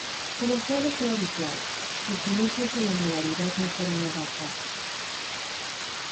Como suele ser habitual, sus inicios en la modalidad no fueron nada fáciles.